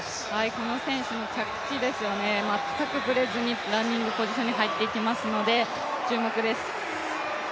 この選手も、全くぶれずにランニングポジションに入っていきますので、注目です。